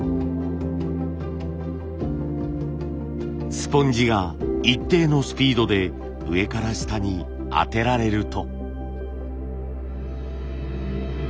スポンジが一定のスピードで上から下に当てられると。